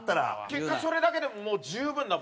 結果それだけでももう十分だもんね。